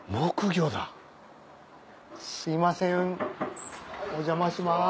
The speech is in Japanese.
すいませんお邪魔します